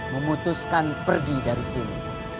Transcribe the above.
memutuskan pergi dari sini